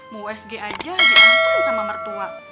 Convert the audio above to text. mau usg aja dianturi sama mertua